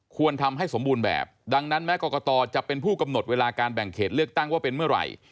ควรทำให้สมบูรณ์แบบดังนั้นแม้กรกตจะเป็นผู้กำหนดเวลาการแบ่งเขตเลือกตั้งว่าเป็นเมื่อไหร่